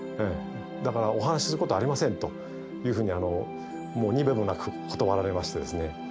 だからお話しすることありませんというふうににべもなく断られましてですね。